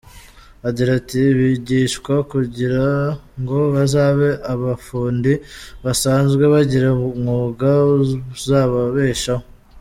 Agira ati “bigishwa kugira ngo bazabe abafundi basanzwe, bagire umwuga uzababeshaho.